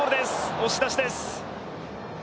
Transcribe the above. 押し出しです。